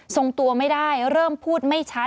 ทรงตัวไม่ได้เริ่มพูดไม่ชัด